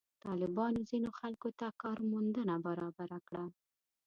طالبانو ځینو خلکو ته کار موندنه برابره کړې.